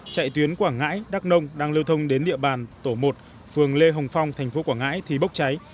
chạy tuyến quảng ngãi đắk nông đang lưu thông đến địa bàn tổ một phường lê hồng phong thành phố quảng ngãi thì bốc cháy